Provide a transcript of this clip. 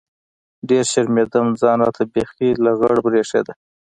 ډېر شرمېدم ځان راته بيخي لغړ بريښېده.